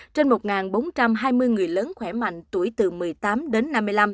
trên một bốn trăm hai mươi người lớn khỏe mạnh tuổi từ một mươi tám đến năm mươi năm